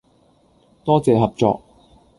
多謝合作